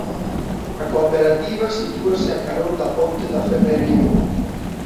A cooperativa sitúase a carón da ponte da Ferrería.